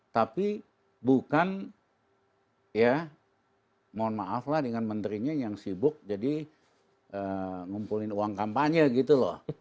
tapi bukan ya mohon maaf lah dengan menterinya yang sibuk jadi ngumpulin uang kampanye gitu loh